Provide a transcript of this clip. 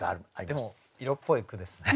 でも色っぽい句ですね。